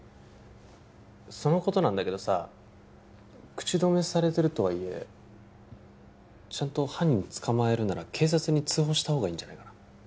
そのことなんだけどさ口止めされてるとはいえちゃんと犯人捕まえるなら警察に通報したほうがいいんじゃないかな